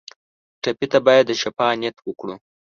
ټپي ته باید د شفا نیت وکړو.